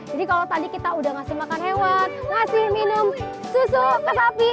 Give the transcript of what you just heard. jadi kalau tadi kita sudah ngasih makan hewan ngasih minum susu ke sapi